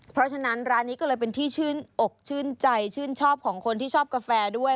เพราะฉะนั้นร้านนี้ก็เลยเป็นที่ชื่นอกชื่นใจชื่นชอบของคนที่ชอบกาแฟด้วย